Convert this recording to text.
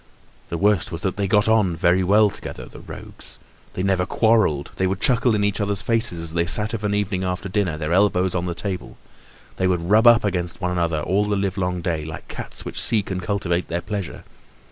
The worst was that they got on very well together, the rogues. They never quarreled; they would chuckle in each other's faces, as they sat of an evening after dinner, their elbows on the table; they would rub up against one another all the live long day, like cats which seek and cultivate their pleasure.